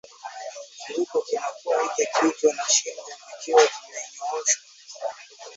Kiwiko kinakuwa nje kichwa na shingo vikiwa vimenyooshwa